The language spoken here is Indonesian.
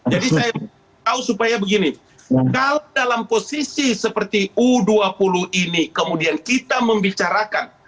jadi saya beritahu supaya begini kalau dalam posisi seperti u dua puluh ini kemudian kita membicarakan